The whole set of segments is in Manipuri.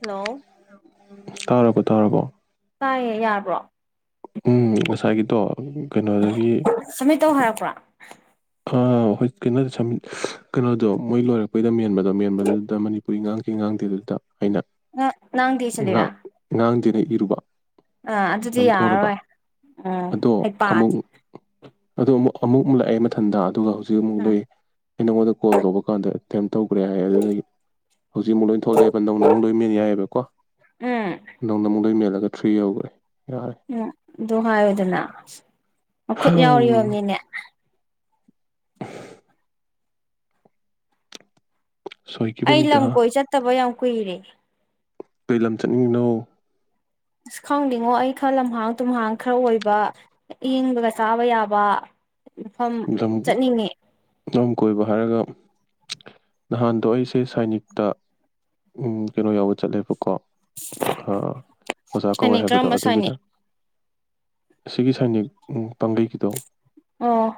ꯍꯜꯂꯣ ꯇꯥꯇꯇꯇꯇ ꯇꯥꯔꯕꯣ ꯇꯥꯔꯕꯣ ꯇꯥꯏꯌꯦ ꯌꯥꯔꯕꯣ ꯎꯨꯝ ꯉꯁꯥꯏꯒꯤꯗꯣ ꯀꯩꯅꯣꯗꯒꯤ ꯁꯝꯃꯤꯠ ꯇꯧ ꯍꯥꯏꯔꯛꯄ꯭ꯔꯣ ꯈ ꯍꯣꯏ ꯀꯩꯅꯣꯗ ꯁꯃꯤꯗ ꯀꯩꯅꯣꯗꯣ ꯃꯣꯏ ꯂꯣꯏꯔꯛꯄꯩꯗ ꯃꯦꯟꯕ ꯃꯦꯟꯕꯗꯨꯗ ꯃꯅꯤ ꯀꯨꯏ ꯉꯥꯡꯒꯤ ꯉꯥꯡꯗꯦ ꯑꯗꯨꯗ ꯑꯩꯅ ꯅꯪꯗꯤ ꯉ ꯉꯥꯡꯗꯤ ꯏꯔꯨꯕ ꯑ ꯑꯗꯨꯗꯤ ꯅꯝꯊꯣꯔꯕ ꯌꯥꯔꯔꯣꯏ ꯎꯨꯝ ꯑꯗꯣ ꯑꯃꯨꯛ ꯍꯩꯄꯥꯗꯤ ꯑꯗꯣ ꯑꯃꯨꯛ ꯑꯃꯨꯛ ꯂꯥꯛꯑꯦ ꯃꯊꯟꯗ ꯑꯗꯨꯒ ꯍꯧꯖꯤꯛ ꯑꯃꯨꯛ ꯎꯝ ꯂꯨꯏ ꯑꯩ ꯅꯉꯣꯟꯗ ꯀꯣꯜ ꯇꯨꯕ ꯀꯥꯟꯗ ꯀꯌꯤꯝ ꯇꯧꯈ꯭ꯔꯦ ꯍꯥꯏ ꯑꯗꯨꯅꯗ ꯍꯧꯖꯤꯛꯃꯨꯛ ꯂꯣꯏꯅ ꯊꯣꯛꯂꯛꯑꯦꯕ ꯅꯧꯅ ꯑꯃꯨꯛ ꯂꯣꯏ ꯃꯦꯟ ꯌꯥꯏꯑꯕ ꯀꯣ ꯎꯝ ꯅꯧꯅ ꯃꯨꯛ ꯂꯣꯏ ꯃꯦꯜꯂꯨ ꯗꯒ ꯊ꯭ꯔꯤ ꯌꯧꯒ꯭ꯔꯦ ꯌꯥꯔꯦ ꯑꯗꯣ ꯍꯥꯏꯌꯨꯗꯅ ꯃꯈꯨꯠ ꯌꯥꯎꯔꯤ ꯍꯝ ꯑꯣꯏꯔꯝꯅꯤꯅꯦ ꯑꯩ ꯁꯣꯏꯈꯤꯕꯅꯤꯗ ꯂꯝ-ꯀꯣꯏ ꯆꯠꯇꯕ ꯌꯥꯝ ꯀꯨꯏꯔꯦ ꯀꯔꯤ ꯂꯝ ꯆꯠꯅꯤꯡꯉꯤꯅꯣ ꯑꯁ ꯈꯪꯗꯦꯉꯣ ꯑꯩ ꯈꯥ ꯂꯝꯍꯥꯡ-ꯇꯨꯝꯍꯥꯡ ꯈꯔ ꯑꯣꯏꯕ ꯑꯥꯏꯡꯕꯒ ꯆꯥꯕ ꯌꯥꯕ ꯃꯐꯝ ꯂꯝ ꯆꯠꯅꯤꯡꯉꯦ- ꯂꯝ ꯀꯣꯏꯕ ꯍꯥꯏꯔꯒ ꯅꯍꯥꯟꯗꯣ ꯑꯩꯁꯦ ꯁꯥꯏꯅꯤꯛꯇ ꯎꯨꯝ ꯀꯩꯅꯣ ꯌꯥꯎꯕ ꯆꯠꯂꯦꯕꯀꯣ ꯈ ꯑꯣꯖꯥ ꯀꯧꯋꯦ ꯁꯥꯏꯅꯤꯛ ꯍꯥꯏꯕꯗꯣ ꯀꯔꯝꯕ ꯑꯗꯨꯒꯤꯗ ꯁꯥꯏꯅꯤꯛ ꯑꯁꯤꯒꯤ ꯁꯥꯏꯅꯤꯛ ꯄꯥꯡꯒꯩꯒꯤꯗꯣ ꯑꯣ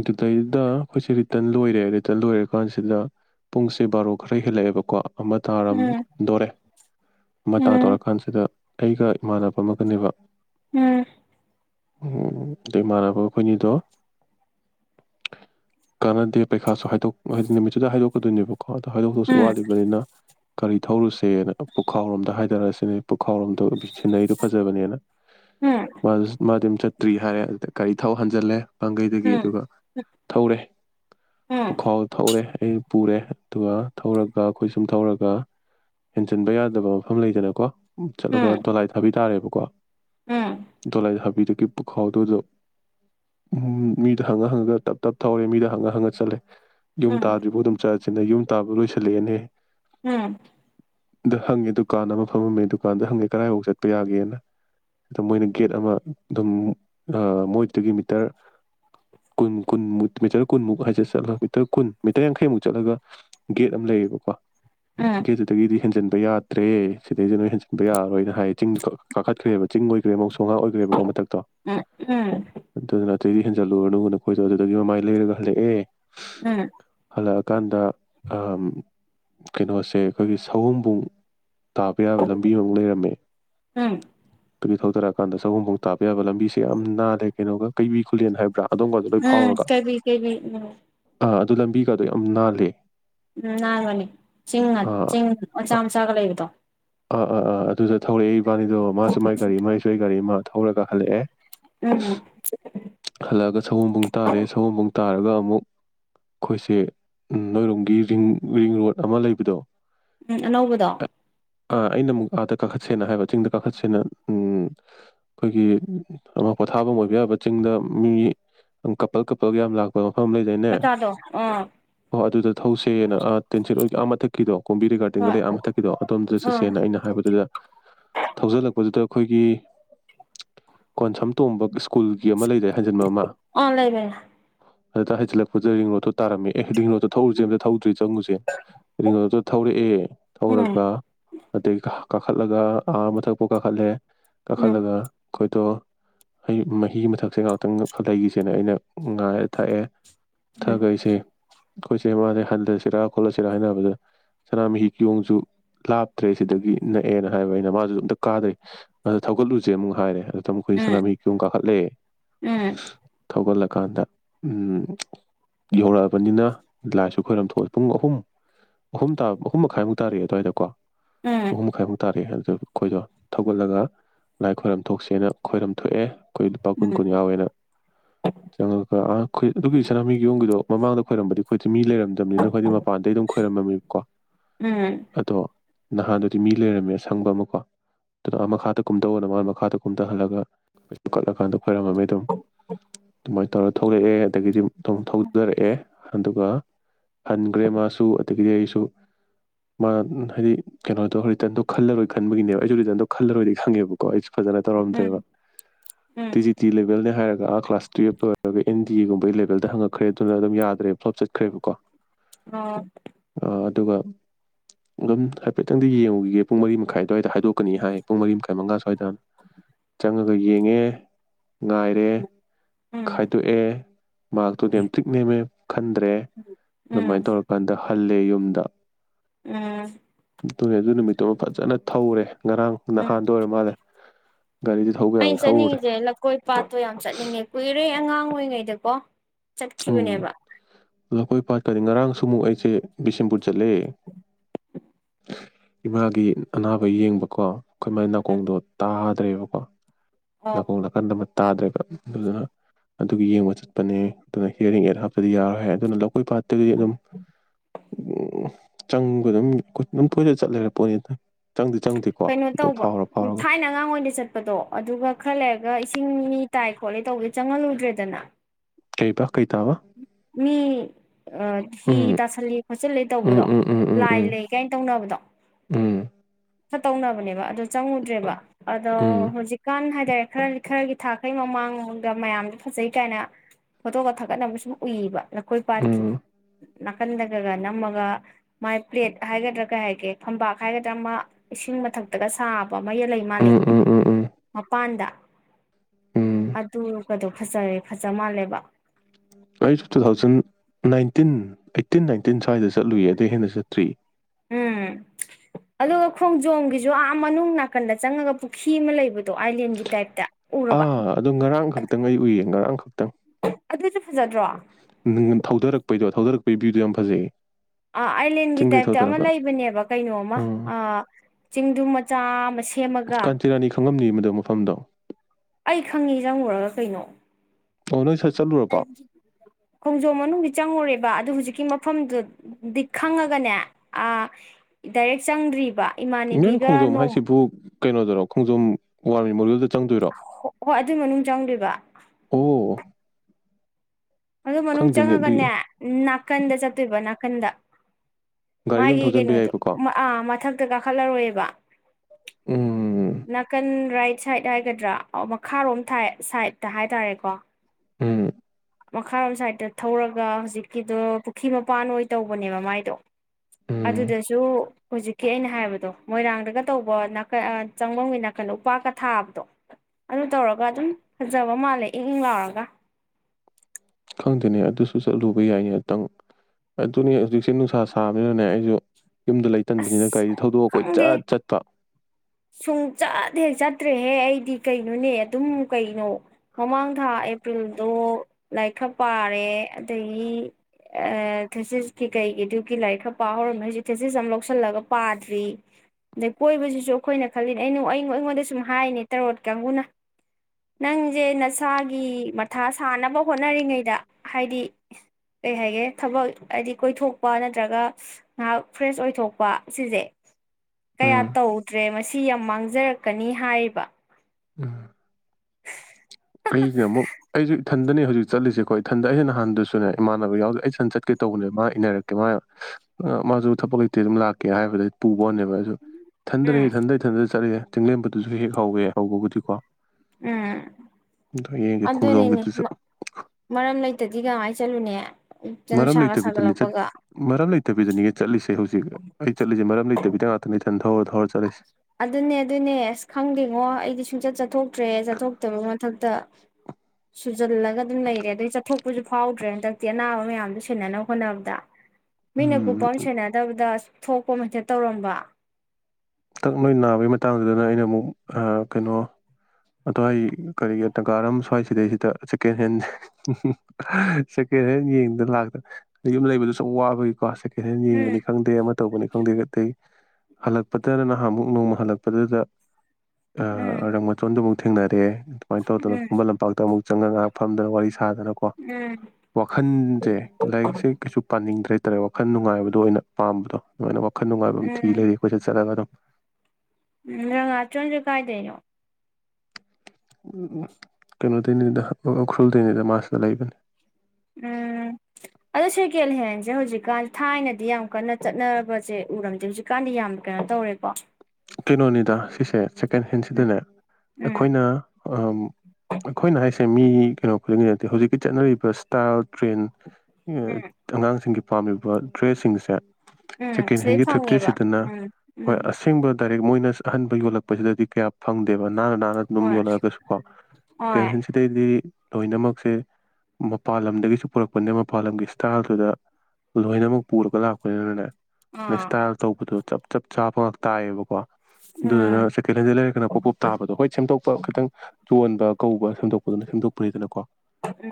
ꯑꯗꯨꯗꯩꯗ ꯑꯩꯈꯣꯏꯁꯦ ꯔꯤꯇꯟ ꯂꯣꯏꯔꯦ ꯔꯤꯇꯟ ꯂꯣꯏꯔꯀꯥꯟꯁꯤꯗ ꯄꯨꯡꯁꯦ ꯕꯥꯔꯣ ꯈꯔ ꯍꯦꯜꯂꯛꯑꯦꯕꯀꯣ ꯑꯃ ꯎꯝ ꯇꯥꯔꯝ-ꯗꯣꯔꯦ ꯑꯃ ꯎꯝ ꯇꯥꯗꯣꯔꯀꯥꯟꯁꯤꯗ ꯑꯩꯒ ꯏꯃꯥꯟꯅꯕ ꯑꯃꯒꯥꯅꯦꯕ ꯎꯨꯝ ꯎꯝ ꯑꯗꯨ ꯏꯃꯥꯟꯅꯕ ꯈꯣꯏꯅꯤꯗꯣ ꯀꯥꯟꯅꯗꯦ ꯄꯩꯈꯥꯁꯨ ꯍꯥꯏꯗꯣꯛ ꯍꯥꯏꯗꯤ ꯅꯨꯃꯤꯠꯇꯨꯗ ꯍꯥꯏꯗꯣꯛꯀꯗꯣꯏꯅꯦꯕ ꯈꯥꯗꯣ ꯍꯥꯏꯗꯣꯛꯇꯧꯁꯨ ꯎꯝ ꯋꯥꯠꯂꯤꯕꯅꯤꯅ ꯒꯔꯤ ꯊꯧꯔꯨꯁꯦꯅ ꯄꯨꯈꯥꯎꯔꯣꯝꯗ ꯍꯥꯏꯗꯔꯛꯑꯁꯤ ꯄꯨꯈꯥꯎꯔꯣꯝꯗ ꯁꯤꯟꯅꯔꯤꯗꯣ ꯐꯖꯕꯅꯦꯅ ꯎꯝ ꯃꯥ ꯃꯥꯗꯤꯝ ꯆꯠ ꯇ꯭ꯔꯤ ꯍꯥꯏꯔꯦ ꯒꯥꯔꯤ ꯊꯥꯎ ꯍꯥꯟꯖꯤꯜꯂꯦ ꯄꯥꯡꯒꯩꯗꯒꯤ ꯎꯝ ꯑꯗꯨꯒ ꯊꯧꯔꯦ ꯎꯝ ꯎꯝ ꯄꯨꯈꯥꯎꯗ ꯊꯧꯔꯦ ꯑꯩꯁ ꯄꯨꯔꯦ ꯑꯗꯨꯒ ꯊꯧꯔꯒ ꯑꯩꯈꯣꯏ ꯁꯨꯝ ꯊꯧꯔꯒ ꯍꯦꯟꯖꯟꯕ ꯌꯥꯗꯕ ꯃꯐꯝ ꯂꯩꯗꯅꯀꯣ ꯎꯨꯝ ꯆꯠꯂꯒ ꯎꯝ ꯗꯣꯂꯥꯏ ꯊꯥꯕꯤ ꯇꯔꯦꯕ ꯀꯣ ꯎꯝ ꯗꯣꯂꯥꯏ ꯊꯥꯕꯤꯗ ꯍꯤꯞꯄ ꯈꯥꯎꯗꯣꯗꯨ ꯎꯝ ꯃꯤꯗ ꯍꯪꯉ-ꯍꯪꯉꯒ ꯇꯞ ꯇꯞ ꯊꯧꯔꯦ ꯃꯤꯗ ꯍꯪꯉ-ꯍꯪꯉ ꯆꯠꯂꯦ ꯌꯨꯝ ꯎꯝ ꯇꯥꯗ꯭ꯔꯤꯕꯥꯎ ꯑꯗꯨꯝ ꯆꯠ ꯁꯤꯅ ꯌꯨꯝ ꯇꯥꯕ ꯂꯣꯏꯁꯤꯜꯂꯦꯑꯦꯅꯦ ꯎꯨꯝ ꯗ ꯍꯪꯉꯦ ꯗꯨꯀꯥꯟ ꯑꯃ ꯐꯝꯃꯝꯃꯦ ꯗꯨꯀꯥꯟꯗ ꯍꯪꯉꯦ ꯀꯗꯥꯥꯏꯐꯥꯎ ꯆꯠꯄ ꯌꯥꯒꯦꯅ ꯑꯗ ꯃꯣꯏꯅ ꯒꯦꯠ ꯑꯃ ꯑꯗꯨꯝ ꯑꯥ ꯃꯣꯏꯗꯒꯤ ꯃꯤꯇꯔ ꯀꯨꯟ ꯀꯨꯟꯃꯨ ꯃꯤꯇꯔ ꯀꯨꯟꯃꯨꯛ ꯍꯥꯏꯁꯦ ꯆꯠꯂꯒ ꯃꯤꯇꯔ ꯀꯨꯟ ꯃꯤꯇꯔ ꯌꯥꯡꯈꯩꯃꯨꯛ ꯆꯠꯂꯒ ꯒꯦꯠ ꯑꯃ ꯂꯩꯌꯦꯕꯀꯣ ꯎꯝ ꯈꯩ ꯗꯨꯗꯒꯤꯗꯤ ꯍꯦꯟꯖꯤꯟ ꯌꯥꯗ꯭ꯔꯦ ꯁꯤꯗꯩꯗꯤ ꯅꯣꯏ ꯍꯦꯟꯖꯤꯟꯕ ꯌꯥꯔꯣꯏꯅ ꯍꯥꯏꯌꯦ ꯆꯤꯡ ꯀꯥꯈꯠꯈ꯭ꯔꯦꯕ ꯆꯤꯡ ꯑꯣꯏ ꯃꯣꯡꯁꯣꯡ ꯉꯥꯛ ꯑꯣꯏꯈ꯭ꯔꯦꯕꯀꯣ ꯃꯊꯛꯇ ꯎꯝ ꯎꯝ ꯑꯗꯨꯅ ꯑꯇꯩꯗꯤ ꯍꯦꯟꯖꯜꯂꯨꯔꯅꯨ ꯅꯈꯣꯏꯗꯨ ꯑꯗꯨꯗꯒꯤ ꯃꯃꯥꯏ ꯂꯩꯔꯒ ꯍꯜꯂꯛꯑꯦ ꯎꯨꯝ ꯍꯜꯂꯛꯑꯀꯥꯟꯗ ꯑꯥ ꯀꯩꯅꯣꯁꯦ ꯑꯩꯈꯣꯏꯒꯤ ꯁꯋꯣꯝꯕꯨꯡ ꯇꯥꯕ ꯌꯥꯕ ꯂꯝꯕꯤ ꯑꯃ ꯂꯩꯔꯝꯃꯦ ꯎꯝ ꯑꯗꯨ- ꯊꯧꯗꯔꯑꯀꯥꯟꯗ ꯁꯥꯋꯣꯝꯕꯨꯡ ꯇꯥꯕ ꯌꯕ ꯂꯝꯕꯤꯁꯦ ꯌꯥꯝ ꯅꯥꯜ ꯀꯩꯅꯣꯒ ꯀꯩꯕꯤ ꯈꯨꯂꯦꯟ ꯍꯥꯏꯕ꯭ꯔ ꯎꯨꯝ ꯀꯩꯕꯤ ꯀꯩꯕꯤ ꯎꯨꯝ ꯑꯥ ꯑꯗꯨ ꯂꯝꯕꯤꯒꯗꯣ ꯌꯥꯝ ꯅꯥꯜꯂꯦ ꯎꯝ ꯅꯥꯟꯕꯅꯤ ꯆꯤꯡ ꯑꯥ ꯆꯤꯡ ꯃꯆꯥ ꯃꯆꯥꯒ ꯂꯩꯕꯗꯣ ꯑ ꯑꯥ ꯑꯗꯨꯗ ꯊꯧꯔꯛꯑꯦ ꯏꯕꯅꯤꯗꯣ ꯃꯥꯁꯨ ꯃꯥꯏ ꯒꯥꯔꯤ ꯑꯃ ꯑꯩꯁꯨ ꯑꯩ ꯒꯥꯔꯤ ꯑꯃ ꯊꯧꯔꯒ ꯀꯥꯈꯠꯂꯛꯑꯦ ꯎꯝ ꯎꯝ ꯍꯜꯂꯛꯑꯒ ꯁꯒꯣꯝꯕꯨꯡ ꯇꯥꯔꯦ ꯁꯒꯣꯝꯕꯨꯡ ꯇꯥꯔ ꯑꯗꯨꯒ ꯑꯃꯨꯛ ꯑꯩꯈꯣꯏꯁꯦ ꯅꯣꯏꯔꯣꯝꯒꯤ ꯔꯤꯡ ꯔꯤꯡ ꯔꯣꯗ ꯑꯃ ꯂꯩꯕꯗꯣ ꯎꯝ ꯑꯅꯧꯕꯗꯣ ꯑ ꯑꯩꯅ ꯑꯃꯨꯛ ꯑꯥꯗ ꯀꯥꯈꯠꯁꯦꯅ ꯍꯥꯏꯕ ꯆꯤꯡꯗ ꯀꯥꯈꯠꯁꯦꯅ ꯎꯝ ꯑꯩꯈꯣꯏꯒꯤ ꯑꯃ ꯄꯣꯊꯥꯐꯝ ꯑꯣꯏꯕ ꯌꯥꯕ ꯆꯤꯡꯗ ꯃꯤ ꯀꯄꯜ ꯀꯄꯜꯒ ꯌꯥꯝ ꯂꯥꯛꯄꯗꯣ ꯃꯐꯝ ꯂꯩꯗꯥꯏꯅꯦ ꯃꯆꯥꯗꯣ ꯑꯥ ꯍꯣ ꯑꯗꯨꯗ ꯊꯧꯁꯦꯅ ꯇꯦꯟꯁꯤꯠ ꯔꯣꯗ ꯑꯥ ꯃꯊꯛꯀꯤꯗꯣ ꯀꯣꯝꯕꯤꯔꯩ ꯒꯥꯔꯗꯦꯟꯒ ꯍꯣꯏ ꯂꯩꯕ ꯑꯥ ꯃꯊꯛꯀꯤꯗꯣ ꯑꯗꯣꯝꯗ ꯑꯥ ꯆꯠꯁꯦꯅ ꯑꯩꯅ ꯍꯥꯏꯕꯗꯨꯗ ꯊꯧꯖꯤꯜꯂꯛꯄꯗꯨꯗ ꯑꯩꯈꯣꯏꯒꯤ ꯀꯣꯟꯁꯝ ꯇꯣꯝꯕꯒ ꯁ꯭ꯀꯨꯜꯒꯤ ꯑꯃ ꯂꯩꯗꯥꯏ ꯍꯥꯏꯖꯤꯟꯕꯝ ꯑꯃ ꯑꯥ ꯂꯩꯕꯅꯦ ꯑꯗꯨꯗ ꯍꯩꯖꯤꯜꯂꯛꯄꯗꯨꯗ ꯔꯤꯡ ꯔꯣꯗꯇꯣ ꯇꯥꯔꯝꯃꯦ ꯑꯦ ꯔꯤꯡ ꯔꯣꯗꯇꯣ ꯊꯧꯔꯨꯁꯦ ꯑꯝꯇ ꯊꯧꯗ꯭ꯔꯤ ꯆꯪꯉꯨꯁꯦ ꯔꯤꯡ ꯔꯣꯗꯇꯨꯗ ꯊꯧꯔꯛꯑꯦ ꯎꯝ ꯊꯧꯔꯒ ꯑꯗꯩ ꯀꯥꯈꯠꯂꯒ ꯑꯥ ꯃꯊꯛꯄꯨꯛ ꯀꯥꯈꯠꯂꯦ ꯎꯝ ꯀꯈꯥꯠꯂꯒ ꯈꯣꯏꯗꯣ ꯍꯩ ꯃꯍꯤ ꯑꯃ ꯊꯛꯁꯦ ꯉꯥꯏꯍꯥꯛꯇꯪ ꯂꯩꯒꯤꯁꯦꯅ ꯑꯩꯅ ꯉꯥꯏꯔ ꯊꯥꯛꯑꯦ ꯊꯛ ꯎꯝ ꯑꯒ ꯑꯩꯁꯦ ꯑꯩꯈꯣꯏꯁꯦ ꯃꯥꯅꯦ ꯍꯟꯂꯁꯤꯔꯥ ꯈꯣꯠꯂꯁꯤꯔꯥ ꯍꯥꯏꯅꯕꯗꯨꯗ ꯁꯅꯥꯃꯍꯤ ꯀꯤꯌꯣꯡꯁꯨ ꯂꯥꯞꯇ꯭ꯔꯦ ꯁꯤꯗꯒꯤ ꯅꯛꯑꯦꯅ ꯍꯥꯏꯕ ꯑꯩꯅ ꯃꯥꯁꯨ ꯑꯝꯇ ꯀꯥꯗꯩ ꯃꯥꯁꯨ ꯊꯧꯒꯠꯂꯨꯁꯦ ꯑꯃꯨꯛ ꯍꯥꯏꯔꯦ ꯈꯣꯏ ꯎꯝ ꯁꯅꯝꯃꯤ [inaudible] ꯌꯨꯝ ꯀꯥꯈꯠꯂꯛꯑꯦ ꯎꯝ ꯊꯧꯒꯠꯂꯛ ꯀꯥꯟꯗ ꯌꯧꯔꯛꯑꯕꯅꯤꯅ ꯂꯥꯏꯁꯨ ꯈꯣꯏꯔꯝ ꯊꯣꯛꯑꯦ ꯄꯨꯡ ꯑꯍꯨꯝ ꯑꯍꯨꯝ ꯑꯍꯨꯝ ꯃꯈꯥꯏꯃꯨꯛ ꯇꯥꯔꯛꯑꯦ ꯑꯗꯨ꯭ꯋꯥꯏꯗꯀꯣ ꯎꯝ ꯑꯍꯨꯝ ꯃꯈꯥꯏꯃꯨꯛ ꯇꯥꯔꯦ ꯍꯥꯏ ꯑꯩꯈꯣꯏꯗꯣ ꯊꯧꯒꯠꯂꯒ ꯂꯥꯏ ꯈꯣꯏꯔꯝ ꯊꯣꯛꯁꯦꯅ ꯈꯣꯏꯔꯝ ꯊꯣꯛꯑꯦ ꯑꯩꯈꯣꯏ ꯂꯨꯄꯥ ꯀꯨꯟ ꯀꯨꯟ ꯌꯥꯎꯋꯦꯅ ꯆꯪꯉꯒ ꯑꯈꯣꯏ ꯑꯗꯨꯒꯤ ꯁꯅꯥꯃꯤꯍꯤ ꯀꯤꯌꯣꯡꯒꯤꯗꯣ ꯃꯃꯥꯡꯗ ꯈꯣꯏꯔꯝꯕꯗꯤ ꯀꯨꯏꯗ꯭ꯔꯤ ꯃꯤ ꯂꯩꯔꯝꯃꯤ ꯗꯝꯅꯤꯅ ꯑꯩꯈꯣꯏꯗꯤ ꯃꯄꯥꯟꯗꯩ ꯑꯗꯨꯝ ꯈꯣꯏꯔꯝꯃꯝꯃꯦꯕꯀꯣ ꯎꯝ ꯎꯝ ꯑꯗꯣ ꯅꯍꯥꯟꯗꯨꯗꯤ ꯃꯤ ꯂꯩꯔꯝꯃꯦ ꯑꯁꯪꯕ ꯑꯃꯀꯣ ꯑꯗꯨꯗ ꯑꯥ ꯃꯈꯥꯗ ꯀꯨꯝꯊꯧꯑꯣꯅ ꯃꯥꯅ ꯃꯈꯥꯗ ꯀꯨꯝꯊꯍꯜꯂꯒ ꯀꯠꯂꯀꯥꯟꯗ ꯈꯣꯏꯔꯝꯃꯝꯃꯦ ꯑꯗꯨꯝ ꯑꯗꯨꯃꯥꯏꯅ ꯇꯧꯔ ꯊꯣꯛꯂꯛꯑꯦ ꯑꯗꯒꯤꯗꯤ ꯊꯧꯗꯔꯛꯑꯦ ꯑꯗꯨꯒ ꯍꯟꯈ꯭ꯔꯦ ꯃꯥꯁꯨ ꯑꯗꯒꯤꯗꯤ ꯑꯩꯁꯨ ꯃꯥ ꯍꯥꯏꯗꯤ ꯀꯩꯅꯣꯗꯣ ꯔꯤꯇꯔꯟꯗꯣ ꯈꯜꯂꯔꯣꯏ ꯈꯟꯕꯒꯤꯅꯦꯕ ꯑꯩꯁꯨ ꯔꯤꯇꯔꯟꯗꯣ ꯈꯜꯂꯔꯣꯏꯗꯤ ꯈꯪꯉꯦꯕꯀꯣ ꯑꯩꯁꯨ ꯐꯖꯅ ꯎꯝ ꯇꯧꯔꯝꯗ꯭ꯔꯦꯕ ꯎꯝ ꯇꯤꯖꯤ ꯊꯤ ꯂꯦꯕꯦꯜ ꯍꯥꯏꯔꯒ ꯀ꯭ꯂꯥꯁ ꯇꯨꯌꯦꯜꯞ ꯂꯣꯏꯔꯒ ꯑꯦ ꯗꯤ ꯑꯦꯒꯨꯝꯕꯒꯤ ꯂꯦꯕꯦꯜꯗ ꯍꯪꯉꯛꯈ꯭ꯔꯦ ꯑꯗꯨꯅ ꯑꯗꯨꯝ ꯌꯥꯗ꯭ꯔꯦꯕ ꯐꯂꯣꯞ ꯆꯠꯈ꯭ꯔꯦꯕꯀꯣ ꯑꯥ [unintelligible] ꯑꯗꯨꯒ ꯑꯗꯨꯝ ꯍꯥꯏꯐꯦꯠꯇꯪꯗꯤ ꯌꯦꯡꯉꯨꯈꯤꯒꯦ ꯄꯨꯡ ꯃꯔꯤ ꯃꯈꯥꯏ ꯑꯗꯨꯋꯥꯏꯗ ꯍꯥꯏꯗꯣꯛꯀꯅꯤ ꯍꯥꯏ ꯄꯨꯡ ꯃꯔꯤ ꯃꯈꯥꯏ ꯃꯉꯥ ꯁ꯭ꯋꯥꯏꯗ [unintelligible] ꯆꯪꯉꯒ ꯌꯦꯡꯉꯦ ꯉꯥꯏꯔꯦ ꯎꯝ ꯈꯥꯏꯗꯣꯛꯑꯦ ꯃꯥꯛꯇꯣ ꯅꯦꯝꯇꯤꯛ ꯅꯦꯝꯃꯦ ꯈꯟꯗ꯭ꯔꯦ ꯎꯝ ꯑꯗꯨꯃꯥꯏꯅ ꯎꯝ ꯇꯧꯔꯀꯥꯟꯗ ꯍꯜꯂꯦ ꯌꯨꯝꯗ ꯎꯝ ꯇꯣꯏꯅ ꯑꯗꯨꯏ ꯅꯨꯃꯤꯠꯇꯨꯃ ꯐꯖꯅ ꯊꯧꯔꯦ ꯉꯔꯥꯡ ꯎꯝ ꯅꯍꯥꯟꯗ ꯑꯣꯏꯔ ꯃꯥꯜꯂꯦ ꯒꯥꯔꯤꯗꯤ ꯊꯧꯕ ꯌꯥꯕ ꯑꯩꯅ ꯊꯧꯔꯨꯔꯦ ꯆꯠꯅꯤꯡꯉꯤꯁꯦ ꯂꯧꯀꯣꯏ ꯄꯥꯠꯇꯣ ꯌꯥꯝ ꯆꯠꯅꯤꯡꯉꯦ ꯀꯨꯏꯔꯦ ꯑꯉꯥꯡ ꯑꯣꯏꯉꯩꯗꯀꯣ ꯆꯠꯈꯤꯕꯅꯦꯕ ꯂꯧꯀꯣꯏ ꯄꯥꯠꯀꯅꯤ ꯉꯔꯥꯡꯁꯨ ꯑꯃꯨꯛ ꯑꯩꯁꯦ ꯕꯤꯁꯦꯝꯄꯨꯔ ꯆꯠꯂꯦ ꯏꯃꯥꯒꯤ ꯑꯅꯥꯕ ꯌꯦꯡꯕꯀꯣ ꯑꯩꯈꯣꯏ ꯃꯥꯏ ꯎꯝ ꯅꯥꯀꯣꯡꯗꯣ ꯇꯥ ꯕꯀꯣ ꯑꯣ ꯅꯥꯀꯣꯡ ꯅꯥꯀꯟꯗ ꯑꯃ ꯇꯥꯗ꯭ꯔꯦꯕ ꯑꯗꯨꯗꯨꯅ ꯑꯗꯨꯒꯤ ꯌꯦꯡꯕ ꯆꯠꯄꯅꯦ ꯑꯗꯨꯅ ꯍꯤꯌꯔꯤꯡ ꯑꯦꯠ ꯍꯥꯞꯇꯔꯥꯗꯤ ꯌꯥꯔꯔꯣꯏ ꯍꯥꯏ ꯑꯗꯨꯅ ꯂꯧꯀꯣꯏ ꯄꯥꯠ ꯇꯒꯤꯗꯤ ꯑꯗꯨꯝ ꯆꯪꯕ ꯑꯗꯨꯝ ꯑꯗꯨꯝ ꯀꯣꯏꯅ ꯆꯠ ꯂꯩꯔ ꯄꯣꯠꯅꯤꯗ ꯀꯩꯅꯣ ꯇꯧꯕ ꯊꯥꯏꯅ ꯑꯉꯥꯡ ꯑꯣꯏꯅ ꯆꯠꯄꯗꯣ ꯑꯗꯨꯒ ꯈꯔ ꯂꯩꯔꯒ ꯃꯤ ꯇꯥꯏ ꯈꯣꯠꯂꯦ ꯇꯧꯕꯗꯩꯩ ꯆꯪꯍꯜꯂꯨꯗ꯭ꯔꯦꯗꯅ ꯀꯩꯕ ꯀꯩ ꯇꯥꯕ ꯃꯤ ꯍꯤ ꯎꯝ ꯇꯥꯁꯜꯂꯤ ꯈꯣꯠꯆꯤꯜꯂꯤ ꯎꯝ ꯇꯧꯕꯗꯣ ꯎꯝ ꯎꯝ ꯂꯥꯏ ꯎꯝ ꯂꯩ ꯀꯥꯏꯅ ꯇꯧꯅꯕꯗꯣ ꯎꯝ ꯈꯔ ꯇꯧꯅꯕꯅꯦꯕ ꯑꯗꯨꯗ ꯆꯪꯉꯨꯗ꯭ꯔꯦꯕ ꯑꯗꯣ ꯎꯝ ꯍꯧꯖꯤꯛꯀꯥꯟ ꯍꯥꯏ ꯍꯥꯏꯇꯥꯔꯦ ꯈꯔꯗꯤ ꯈꯔꯒꯤ ꯊꯥ ꯈꯔ ꯃꯃꯥꯡꯗ ꯃꯌꯥꯝꯁꯣ ꯐꯖꯩ ꯀꯥꯏꯅ ꯐꯣꯇꯣꯒ ꯊꯥꯒꯠꯅꯕꯁꯨ ꯎꯏꯕ ꯂꯧꯀꯣꯏ ꯎꯝ ꯄꯥꯠꯀꯤ ꯎꯝ ꯅꯥꯀꯟꯗꯒꯒ ꯅꯝꯃꯒ ꯃꯥꯏ ꯄ꯭ꯂꯦꯠ ꯍꯥꯏꯒꯗ꯭ꯔꯥ ꯀꯩ ꯍꯥꯏꯒꯦ ꯐꯝꯄꯥꯛ ꯍꯥꯏꯒꯗ꯭ꯔꯥ ꯑꯃ ꯏꯁꯤꯡ ꯃꯊꯛꯇꯒ ꯁꯥꯕ ꯃꯌꯦꯛ ꯂꯩ ꯃꯥꯂꯦ ꯎꯝ ꯎꯝ ꯎꯝ ꯎꯝ ꯃꯄꯥꯟꯗ ꯎꯝ ꯑꯗꯨ ꯀꯗꯣ ꯐꯖꯔꯦ ꯐꯖ ꯃꯥꯜꯂꯦꯕ ꯑꯩꯁꯨ two thousand nineteen eighteen nineteen ꯁ꯭ꯋꯥꯏꯗ ꯆꯠꯂꯨꯏ ꯑꯗꯏ ꯍꯦꯟꯅ ꯆꯠꯇ꯭ꯔꯤ꯫ ꯎꯝ ꯑꯗꯨꯒ ꯈꯣꯡꯖꯣꯝꯒꯤꯁꯨ ꯑꯥ ꯃꯅꯨꯡ ꯅꯥꯀꯟꯗ ꯆꯪꯉꯒ ꯄꯨꯈ꯭ꯔꯤ ꯑꯃ ꯂꯩꯕꯗ꯫ ꯑꯥ ꯑꯗꯨ ꯉꯔꯥꯡ ꯈꯛꯇꯪ ꯑꯩ ꯎꯏꯌꯦ ꯉꯔꯥꯡ ꯈꯛꯇꯪ꯫ ꯑꯗꯨꯁꯨ ꯐꯖꯗ꯭ꯔꯣ꯫ ꯅ ꯊꯧꯗꯔꯛꯄꯩꯗꯣ꯫ ꯊꯧꯗꯔꯛꯄ ꯚ꯭ꯌꯨꯗꯨ ꯌꯥꯝ ꯐꯖꯩꯌꯦ꯫ ꯑꯑꯥꯏꯂꯦꯟꯒꯤ ꯆꯤꯡꯗꯩ ꯇꯥꯏꯞꯇ ꯑꯃ ꯊꯧꯗꯔꯒ ꯂꯩꯕꯅꯦꯕ ꯀꯩꯅꯣꯃ ꯎꯝ ꯑ ꯆꯤꯡꯗꯨ ꯃꯆꯥ ꯑꯃ ꯁꯦꯝꯃꯒ ꯑꯗꯨ ꯃꯐꯝꯗꯣ ꯑꯩ ꯈꯪꯉꯤ ꯆꯪꯉꯨꯔꯒ ꯀꯩꯅꯣ꯫ ꯑꯣ ꯅꫭꯏ ꯈꯣꯡꯖꯣꯝ ꯃꯅꯨꯡꯗꯤ ꯆꯪꯉꯨꯔꯦꯕ ꯑꯗꯨ ꯍꯧꯖꯤꯛ ꯀꯤ ꯃꯐꯝꯗꯨꯗꯤ ꯈꯪꯉꯒꯅꯦ ꯑ ꯗꯥꯏꯔꯦꯛ ꯆꯪꯗ꯭ꯔꯤꯕ꯫ ꯅꯣꯏꯅ ꯏꯃꯥꯟꯅꯕꯤꯒ ꯈꯣꯡꯖꯣꯝꯝ ꯅꯣꯡ ꯍꯥꯏꯁꯤꯕꯨ ꯀꯩꯅꯣꯗꯔꯣ ꯈꯣꯡꯖꯣꯝ ꯋꯥꯔ ꯃꯦꯃꯣꯔꯤꯌꯦꯜꯗ ꯆꯪꯗꯣꯏꯔꯣ ꯍꯣꯏ ꯑꯗꯨꯏ ꯃꯅꯨꯡ ꯆꯪꯗꯣꯏꯕ꯫ ꯑꯣ ꯑꯗꯨ ꯃꯅꯨꯡ ꯈꯪꯗꯦꯅꯦ ꯑꯗꯨꯏ ꯆꯪꯉꯒꯅꯦ ꯅꯥꯀꯟꯗ ꯆꯠꯇꯣꯏꯕ꯫ ꯀꯟꯗ꯫ ꯒꯥꯔꯤ ꯑꯗꯨꯝ ꯃꯥꯒꯤ ꯊꯧꯖꯤꯟꯕ ꯀꯩꯅꯣꯗꯣ ꯌꯥꯏꯕꯀꯣ ꯑ ꯃꯊꯛꯇ ꯀꯥꯈꯠꯂꯔꯣꯏꯕ꯫ ꯎꯝ ꯅꯀꯟ ꯔꯥꯏꯠ ꯁꯥꯏꯠ ꯍꯥꯏꯒꯗ꯭ꯔꯥ ꯃꯈꯥꯔꯣꯝ ꯊꯥꯏꯠ ꯁꯥꯏꯗꯠꯇ ꯍꯥꯏꯇꯥꯔꯦꯀꯣ꯫ ꯎꯝ꯫ ꯃꯈꯥꯔꯣꯝ ꯁꯥꯏꯗꯠꯇ ꯊꯧꯔꯒ ꯍꯧꯖꯤꯛꯀꯤꯗꯣ ꯄꯨꯈꯤ ꯃꯄꯥꯟ ꯑꯣꯏ ꯇꯧꯕꯅꯦꯕ ꯃꯥꯏꯗꯣ꯫ ꯎꯝ ꯑꯗꯨꯗꯁꯨ ꯍꯧꯖꯤꯛꯀꯤ ꯑꯩꯅ ꯍꯥꯏꯕꯗꯣ ꯃꯣꯏꯔꯥꯡꯗꯒ ꯇꯧꯕ ꯅꯥꯀꯟ ꯑ ꯆꯪꯕꯝꯒꯤ ꯅꯥꯀꯟ ꯎꯄꯥꯛꯀ ꯊꯥꯕꯗꯣ ꯑꯗꯨ ꯇꯧꯔꯒ ꯑꯗꯨꯝ ꯐꯖꯕ ꯃꯥꯜꯂꯦ ꯏꯪ - ꯏꯪ ꯂꯥꯎꯔꯒ꯫ ꯈꯪꯗꯦꯅꯦ ꯑꯗꯨꯁꯨ ꯆꯠꯂꯨꯕ ꯌꯥꯏꯅꯤꯇꯪ ꯑꯗꯨꯅꯤ ꯍꯧꯖꯤꯛꯁꯦ ꯅꯨꯡꯁꯥ ꯁꯥꯕꯅꯤꯅꯅꯦ ꯑꯩꯁꯨ ꯌꯨꯝꯗ ꯂꯩꯇꯟꯕꯅꯤꯅ ꯑꯁ ꯒꯥꯔꯤ ꯊꯧꯗꯣꯛꯑ ꯀꫭꯏꯆꯠ ꯆꯠꯄ꯫ ꯁꯨꯡ ꯆꯠ ꯍꯦꯛ ꯆꯠꯇ꯭ꯔꯦꯍꯦ ꯑꯩꯗꯤ ꯀꯩꯅꯣꯅꯦ ꯑꯗꯨꯝ ꯀꯩꯅꯣ ꯃꯃꯥꯡ ꯊꯥ ꯄ꯭ꯔꯤꯜꯗꯣ ꯂꯥꯏꯔꯤꯛ ꯈꯔ ꯄꯥꯔꯦ ꯑꯗꯒꯤ ꯊꯦꯁꯤꯁ ꯀꯤ ꯀꯩꯒꯤꯗꯨꯒꯤ ꯂꯥꯏꯔꯤꯛ ꯈꯔ ꯄꯥ ꯍꯧꯔꯝꯃꯦ ꯍꯧꯖꯤꯛ ꯊꯦꯁꯤꯁ ꯑꯃ ꯂꯧꯁꯜꯂꯒ ꯄꯥꯗ꯭ꯔꯤ ꯑꯗꯩ ꯀꯣꯏꯕꯁꯤꯁꯨ ꯑꯩꯈꫭꯏꯅ ꯈꯜꯂꯤꯅꯦ ꯑꯩꯩꯅ ꯈꯜꯂꯤꯅꯦ ꯑꯩꯉꯣꯟꯗ ꯁꯨꯝ ꯍꯥꯏꯅꯦ ꯇꯔꯣꯠ ꯀꯥꯡꯕꯨꯅ ꯅꯪꯁꯦ ꯅꯁꯥꯒꯤ ꯃꯊꯥ ꯁꯥꯥꯟꯅꯕ ꯍꯣꯠꯅꯔꯤꯉꯩꯗ ꯍꯥꯏꯗꯤ ꯀꯩ ꯍꯥꯏꯒꯦ ꯊꯕꯛ ꯍꯥꯏꯗꯤ ꯀꯣꯏꯊꯣꯛꯄ ꯅꯠꯇ꯭ꯔꯒ ꯉꯥꯛ ꯐ꯭ꯔꯦꯁ ꯑꯣꯏꯊꯣꯛꯄ ꯁꯤꯁꯦ ꯀꯌꯥ ꯎꯝ ꯇꯧ ꯇ꯭ꯔꯦ ꯃꯁꯤ ꯌꯥꯝ ꯃꯥꯡꯖꯔꯛꯀꯅꯤ ꯍꯥꯏꯔꯤꯕ꯫ ꯎꯝ꯫ ꯊꯟꯗꯅꯦ ꯍꯧꯖꯤꯛ ꯆꯠꯂꯤꯁꯦ ꯀꫭ ꯏꯊꯟꯗ ꯑꯩꯅ ꯅꯍꯥꯟꯗꯁꯨꯅꯦ ꯏꯃꯥꯟꯅꯕ ꯌꯥꯎꯍꯜꯂꫭꯏ ꯑꯩ ꯏꯊꯟ ꯆꯠꯀꯦ ꯇꯧꯕꯅꯦ ꯃꯥ ꯏꯟꯅꯔꯛꯀꯦ ꯃꯥ ꯃꯥꯁꯨ ꯊꯕꯛ ꯂꯩꯇꯦ ꯑꯗꯨꯝ ꯂꯥꯛꯀꯦ ꯍꯥꯏꯕꯗꯨ ꯄꯨꯕꯅꯦꯋꯥꯅꯤ ꯑꯩꯁꯨ ꯊꯟꯗꯅ ꯎꯝ ꯏꯊꯟꯗ ꯏꯊꯟꯗ ꯆꯠꯂꯦ꯫ ꯆꯤꯡꯂꯦꯝꯕꯗꯨꯁꯨ ꯍꯦꯛ ꯍꯧꯋꯦ ꯍꯧꯕꯕꯨꯗꯤꯀꯣ ꯎꯝ꯫ ꯑꯗꯣ ꯌꯦꯡꯒꯦ ꯑꯗꯨꯅꯤꯅꯦ ꯈꯣꯡꯖꯣꯝꯒꯤꯗꯨꯁꯨ ꯃꯔꯝ ꯂꯩꯇꯗꯤ ꯀꯃꯥꯏꯅ ꯆꯠꯂꯨꯅꯦ꯫ ꯃꯔꯝ ꯅꯨꯡꯁꯥꯒ ꯂꯩꯇꯕꯤꯗꯅꯤꯆꯠ ꯁꯥꯒꯠꯂꯛꯄꯒ ꯃꯔꯝ ꯂꯩ ꯇꯥꯕꯤꯗꯅꯤ ꯆꯠꯂꯤꯁꯦ ꯁꯦ ꯍꯧꯖꯤꯛ ꯑꯩ ꯆꯠꯂꯤꯁꯦ ꯃꯔꯝ ꯂꯩꯇꯕꯤꯗ ꯉꯥꯛꯇꯅꯦ ꯏꯊꯟ ꯊꯧꯔꯒ [unintelligible] ꯆꯠꯂꯤꯁꯤ ꯑꯗꯨꯅꯦ ꯑꯗꯨꯅꯦ ꯑꯁ ꯈꯪꯗꯦꯉꯣ ꯑꯩꯗꯤ ꯁꯨꯡꯆꯠ ꯆꯠꯊꯣꯛ ꯇ꯭ꯔꯦ ꯆꯠꯊꯣꯛꯇꯕꯩ ꯃꯊꯛꯇ ꯁꯨꯖꯜꯂꯒ ꯑꯗꯨꯝ ꯂꯩꯔꯦ ꯑꯗꯒꯤ ꯆꯠꯊꯣꯛꯄꯁꯨ ꯐꯥꯎꯗ꯭ꯔꯦ ꯍꯟꯗꯛꯇꯤ ꯑꯅꯥꯕ ꯃꯌꯥꯝꯗꯣ ꯁꯦꯟꯅꯕ ꯍꯣꯠꯅꯕꯗ ꯃꯤꯅꯥ ꯎꯝ ꯀꯨꯄ ꯑꯃꯥ ꯁꯦꯅꯗꯕꯗ ꯊꯣꯛꯄ ꯃꯥ ꯍꯦꯛꯇ ꯇꯧꯔꯝꯕ ꯍꯅꯇꯛ ꯂꯣꯏ ꯅꯥꯕꯩ ꯃꯇꯥꯡꯗꯨꯗ ꯑꯩꯅ ꯑꯃꯨꯛ ꯀꯩꯅꯣ ꯑꯗꯣ ꯑꯩ ꯀꯔꯤꯒ ꯗꯪꯀꯥꯔ ꯑꯃ ꯁ꯭ꯋꯥꯏ ꯁꯤꯗꯩꯁꯤꯗ ꯁꯦꯀꯦꯟ ꯍꯦꯟ [unintelligible] ꯁꯦꯀꯦꯟ ꯍꯦꯟ ꯌꯦꯡꯕ ꯂꯥꯛ ꯌꯨꯝ ꯂꯩꯕꯗꯨ ꯁꯨꯝ ꯋꯥꯕꯒꯤꯀꯣ ꯁꯦꯀꯦꯅ ꯍꯦꯅ ꯎꯝ ꯌꯦꯡꯕꯅꯤ ꯈꯪꯗꯦ ꯑꯃ ꯇꯧꯕꯅꯤ ꯈꯪꯗꯦ ꯑꯇꯩ ꯍꯜꯂꯛꯄꯗ ꯅꯍꯥꯟꯃꯨꯛ ꯅꯣꯡꯃ ꯍꯜꯂꯛꯄꯗꯨꯗ ꯑ ꯎꯝ [unintelligible] ꯑꯗꯨ ꯑꯃꯣꯛ ꯊꯦꯡꯅꯔꯦ ꯑꯗꯨꯃꯥꯏꯅ ꯇꯧꯗꯅ ꯎꯝ ꯈꯨꯨꯝꯟ ꯂꯝꯄꯥꯛꯇ ꯑꯃꯨ ꯆꯥꯉꯥ ꯉꯥꯍꯛ ꯐꯝꯗꯅ ꯋꯥꯔꯤ ꯁ ꯁꯥꯗꯅꯀꯣ ꯎꯝ ꯋꯥꯈꯟꯁꯦ ꯂꯥꯏꯔꯤꯛꯁꯦ ꯀꯩꯁꯨ ꯄꯥꯅꯤꯡꯗ꯭ꯔꯦ ꯇꯦ ꯋꯥꯈꯜ ꯅꯨꯡꯉꯥꯏꯕꯗꯨ ꯑꯣꯏꯅ ꯄꯥꯝꯕꯗꯣ ꯑꯗꯨꯃꯥꯏꯅ ꯋꯈꯟ ꯅꯨꯡꯉꯥꯏꯕ ꯑꯃ ꯊꯤ ꯎꯝ ꯂꯩꯔꯦ ꯀꯣꯏꯆꯠ ꯆꯠꯂꯒ ꯑꯗꯨꯝ ꯎꯝ ꯂ ꯉꯥ ꯆꯣꯅ ꯁꯦ ꯀꯥꯏꯗꯩꯅꯣ ꯀꯩꯅꯣꯗꯩꯅꯤꯗ ꯎꯈ꯭ꯔꯨꯜꯗꯩꯩꯅꯤꯗ ꯃꯥ ꯁꯤꯗ ꯂꯩꯕꯅꯤ ꯎꯝ ꯑꯗꯣ ꯁꯦꯀꯦꯟ ꯍꯦꯟꯁꯦ ꯍꯧꯖꯤꯛꯀꯥꯟ ꯊꯥꯏꯅꯗꯤ ꯌꯥꯝ ꯀꯟꯅ ꯆꯠꯅꯕꯁꯦ ꯎꯔꯝꯗꯦ ꯍꯧꯖꯤꯛꯀꯥꯟꯗꯤ ꯌꯥꯝ ꯀꯩꯅꯣ ꯇꯧꯔꯦꯀꯣ ꯀꯩꯅꯣꯅꯤꯗ ꯁꯤꯁꯦ ꯁꯦꯀꯦꯟ ꯍꯦꯟꯁꯤꯗꯅꯦ ꯎꯝ ꯎꯝ ꯑꯩꯈꯣꯏꯅ ꯑꯩꯈꯣꯏꯅ ꯍꯥꯏꯁꯦ ꯃꯤ ꯀꯩꯅꯣ ꯈꯨꯗꯤꯡ ꯅꯠꯇꯦ ꯍꯧꯖꯤꯛꯀꯤ ꯆꯠꯅꯔꯤꯕ ꯏꯁꯇꯥꯏꯜ ꯇ꯭ꯔꯦꯟ ꯎꯝ ꯑꯉꯥꯡꯁꯤꯡꯒꯤ ꯄꯥꯝꯃꯤꯕ ꯗ꯭ꯔꯦꯁꯁꯤꯡꯁꯦ ꯎꯝ ꯁꯦꯀꯦꯟ ꯁꯤꯗꯩ ꯍꯦꯟꯒꯤ ꯐꯪꯉꯦꯕ ꯊꯤꯞꯇꯤꯁꯤꯗꯅ ꯎꯝ ꯍꯣꯏ ꯎꯝ ꯑꯁꯦꯡꯕ ꯀꯔꯤ ꯃꯣꯏꯅ ꯑꯍꯕ ꯌꯣꯜꯂꯛꯄꯁꯤꯗꯗꯤ ꯀꯌꯥ ꯐꯪ ꯗꯦꯕ ꯅꯥꯟꯅ ꯅꯥꯟꯅ ꯑꯗꯨꯝ ꯍꯣꯏ ꯌꯣꯜꯂꯛꯑꯒꯁꯨ ꯀꯣ ꯍꯣꯏ ꯁꯦꯀꯦꯟ ꯍꯦꯟ ꯁꯤꯗꯩꯗꯤ ꯂꯣꯏꯅꯃꯛꯁꯦ ꯃꯄꯥꯟ ꯂꯝꯗꯒꯤꯁꯨ ꯄꯨꯔꯛꯄꯅꯦ ꯃꯄꯥꯟ ꯂꯝꯒꯤ ꯏꯁꯇꯥꯏꯜꯗꯨꯗ ꯂꯣꯏꯅꯃꯛ ꯄꯨꯔꯒ ꯂꯥꯛꯄꯅꯤꯅꯅꯦ ꯑꯥ ꯅꯁꯇꯥꯏꯜ ꯇꯧꯕꯗꯨ ꯆꯞ ꯆꯞ ꯆꯥꯕꯥ ꯇꯥꯏ ꯑꯗꯨꯗꯨꯅ ꯎꯝ ꯁꯦꯀꯦꯟ ꯍꯦꯟꯗꯩꯩ ꯂꯩꯔꯒꯅ ꯄꯣꯄꯣꯞ ꯇꯥꯕꯗꯣ ꯍꯣꯏ ꯁꯦꯝꯗꯣꯛꯄ ꯈꯤꯇꯪ ꯌꯣꯟꯕ ꯀꯧꯕ ꯁꯦꯝꯗꯣꯛꯄꯗꯨꯅ ꯁꯦꯝꯗꯣꯛꯄꯅꯤꯗꯅꯀꯣ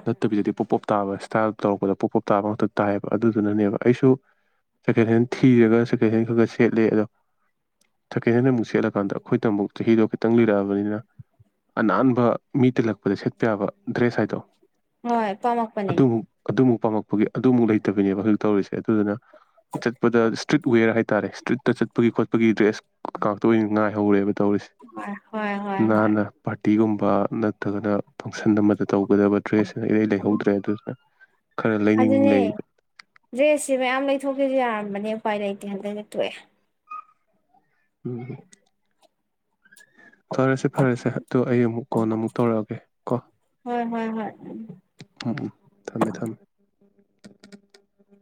ꯇꯠꯇꯕꯤꯗꯗꯤ ꯄꫭꯞ ꯄꫭꯞ꯫ ꯇꯥꯕ ꯏꯁꯇꯥꯏꯜ ꯇꯧꯔꯛꯄꯗ ꯄꯣꯞ ꯄꯣꯞ ꯇꯥꯕ ꯉꯛꯇ ꯇꯥꯏꯌꯦꯕ ꯑꯗꯨꯗꯨꯅꯅꯦꯕ ꯑꯩꯁꯨ ꯁꯦꯀꯦꯟ ꯍꯦꯟ ꯊꯤꯔꯒ ꯁꯦꯀꯦꯟ ꯍꯦꯟ ꯈ ꯈ ꯁꯦꯠꯂꯦ꯫ ꯑꯗꯣ ꯁꯀꯦꯟ ꯍꯦꯟꯗ ꯑꯃꯨꯛ ꯁꯦꯠꯂꯀꯥꯟꯗ ꯑꯩꯈꯣꯏꯗ ꯑꯃꯨꯛ ꯆꯍꯤꯗꯣ ꯈꯤꯇꯪ ꯂꯤꯔꯛꯑꯕꯅꯤꯅ ꯑꯅꯥꯟꯕ ꯃꯤ ꯇꯤꯜꯂꯛꯄꯗ ꯁꯦꯠꯄ ꯌꯥꯕ ꯗ꯭ꯔꯦꯁ ꯍꯥꯏꯗꯣ꯫ ꯍꯣꯏ ꯄꯥꯝꯃꯛꯄꯅꯦ꯫ ꯑꯗꯨꯃꯨꯛ ꯑꯗꯨꯃꯨꯛ ꯄꯥꯝꯃꯛꯄꯒꯤ ꯑꯗꯨꯃꯨꯛ ꯂꯩꯇꯕꯅꯦꯕ ꯍꯧꯖꯤꯛ ꯇꯧꯔꯤꯁꯦ ꯑꯗꯨꯗꯨꯅ꯫ ꯆꯠꯄꯗ ꯏꯁꯇ꯭ꯔꯤꯠ ꯋꯦꯔ ꯍꯥꯏ꯫ ꯇꯥꯔꯦ ꯏꯁ꯭ꯇ꯭ꯔꯤꯠꯇ ꯆꯠꯄꯒꯤ ꯈꯣꯠꯄꯒꯤ ꯗ꯭ꯔꯦꯁ꯫ [unintelligible] ꯉꯥꯏꯍꯧꯔꯦꯕ ꯇꯧꯔꯤꯁꯦ ꯍꯣꯏ ꯍꯣꯏ ꯍꯣꯏ ꯍꯣꯏ ꯅꯥꯟꯅ ꯄꯥꫪꯇꯤꯒꯨꯝ꯫ ꯕꯥ ꯅꯠꯇ꯭ꯔꯒꯅ꯫ ꯐꯪꯁꯟ ꯑꯃꯗ ꯇꯧꯒꯗꯕ ꯗ꯭ꯔꯦꯁꯁꯤ ꯏꯔꯩ ꯂꯩꯍꯧꯗ꯭ꯔꯦ ꯑꯗꯨꯗꯨꯅ꯫ ꯑꯗꯨꯅꯦ ꯗ꯭ꯔꯦꯁꯁꯦ ꯃꯌꯥꯝ ꯂꯩꯊꯣꯛꯀꯦꯁꯨ ꯌꯥꯔꯝꯕꯅꯦ꯫ ꯄꯥꯏ ꯂꯩꯇꯦ ꯍꯟꯇꯛ ꯇꫭꯛꯑꯦ꯫ ꯎꯝ꯫ ꯐꯔꯦꯁꯦ ꯐꯔꯦꯁꯦ ꯑꯗꯣ ꯑꯩ ꯑꯃꯨꯛ ꯀꯣꯟ ꯑꯃꯨꯛ ꯇꯧꯔꯛꯑꯒꯦ ꯀꯣ ꯍꯣꯏ ꯍꯣꯏ ꯍꯣꯏ ꯎꯝ ꯎꯝ ꯊꯝꯃꯦ ꯊꯝꯃꯦ꯫ [unintelligible]